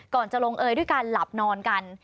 ก่อนจะลงเอยด้วยการหลับนอนกัน